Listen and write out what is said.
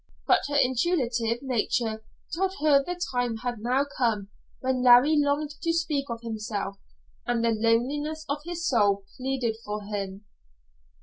But her intuitive nature told her the time had now come when Larry longed to speak of himself, and the loneliness of his soul pleaded for him.